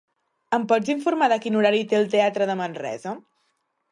Em pots informar de quin horari té el teatre de Manresa?